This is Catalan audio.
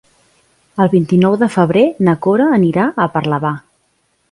El vint-i-nou de febrer na Cora anirà a Parlavà.